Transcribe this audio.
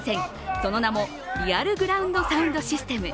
その名もリアル・グラウンド・サウンドシステム。